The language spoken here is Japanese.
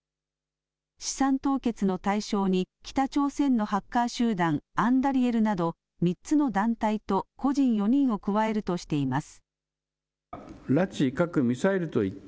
資産凍結の対象に北朝鮮のハッカー集団、アンダリエルなど３つの団体と個人４人を加えるとしています。